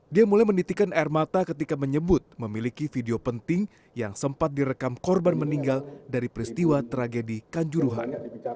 dia mulai menitikan air mata ketika menyebut memiliki video penting yang sempat direkam korban meninggal dari peristiwa tragedi kanjuruhan